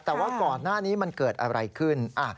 แต่ว่าก่อนหน้านี้มันเกิดอะไรขึ้น